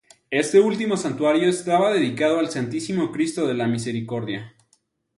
Este último santuario estaba dedicado al Santísimo Cristo de la Misericordia.